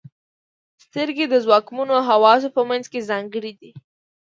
• سترګې د ځواکمنو حواسو په منځ کې ځانګړې دي.